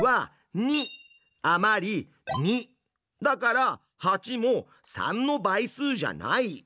だから８も３の倍数じゃない。